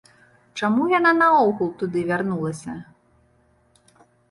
Чаму яна наогул туды вярнулася?